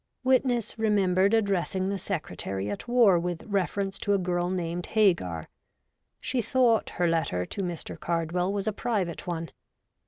' Witness remembered addressing the Secretary at War with refer ence to a girl named Hagar. She thought her letter to Mr. Cardwell was a private one.